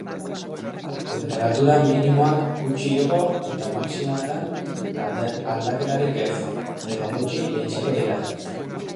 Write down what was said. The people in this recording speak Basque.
Tenperatura minimoak gutxi igo eta maximoetan, aldaketarik ez edo gutxi jaitsiko dira.